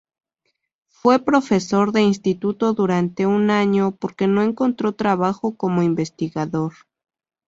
Fue profesor de Instituto durante un año porque no encontró trabajo como investigador.